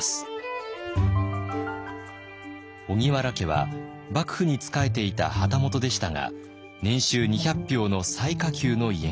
荻原家は幕府に仕えていた旗本でしたが年収２００俵の最下級の家柄。